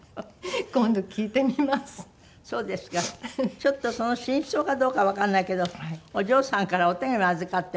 ちょっとその真相かどうかわからないけどお嬢さんからお手紙預かってるんです。